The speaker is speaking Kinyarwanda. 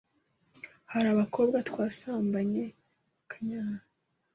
hari abakobwa twasambanye bakanyara,